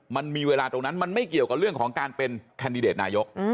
มันมีเวลาตรงนั้นมันไม่เกี่ยวกับเรื่องของการเป็นแคนดิเดตนายก